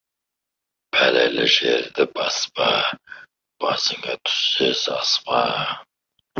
Пәлелі жерді баспа, басыңа түссе саспа.